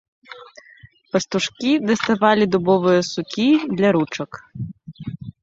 Пастушкі даставалі дубовыя сукі для ручак.